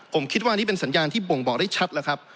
ผมคิดว่านี่เป็นสัญญาณที่บ่งบอกได้ชัดแล้วครับ